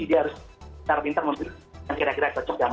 dia harus secara pintar memilih yang kira kira cocok sama